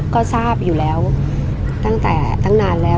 ก็ทราบอยู่แล้วตั้งแต่ตั้งนานแล้ว